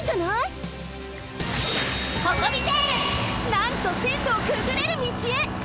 なんとせんろをくぐれる道へ！